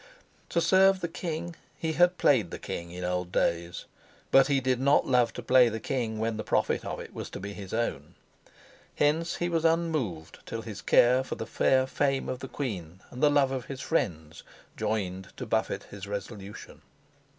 To serve the king he had played the king in old days, but he did not love to play the king when the profit of it was to be his own. Hence he was unmoved till his care for the fair fame of the queen and the love of his friends joined to buffet his resolution.